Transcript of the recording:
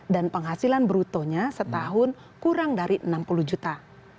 dan penghasilan brutonya setahun kurang dari enam puluh juta